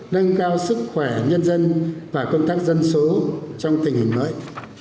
nâng cao sức khỏe nhân dân và công tác dân số trong tình hình mới